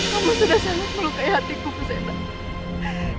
kamu sudah sangat melukai hatiku fusena